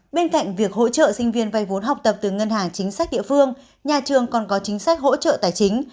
bên cạnh việc hỗ trợ sinh viên vay vốn học tập từ ngân hàng chính sách địa phương nhà trường còn có chính sách hỗ trợ tài chính